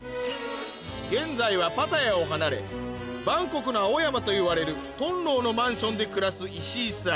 現在はパタヤを離れバンコクの青山といわれるトンローのマンションで暮らす石井さん